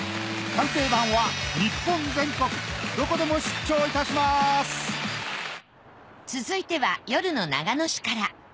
「鑑定団」は続いては夜の長野市から。